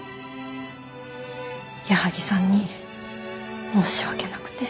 矢作さんに申し訳なくて。